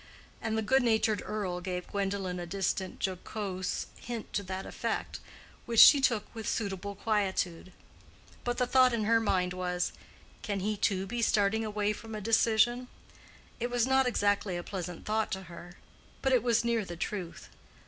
And the good natured Earl gave Gwendolen a distant jocose hint to that effect, which she took with suitable quietude. But the thought in her mind was "Can he too be starting away from a decision?" It was not exactly a pleasant thought to her; but it was near the truth.